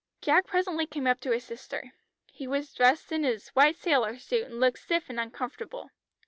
Jack presently came up to his sister. He was dressed in his white sailor suit, and looked stiff and uncomfortable.